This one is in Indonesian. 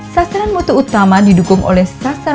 sasaran mutu utama adalah